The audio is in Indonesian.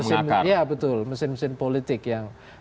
iya betul mesin mesin politik yang